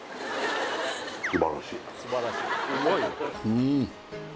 うん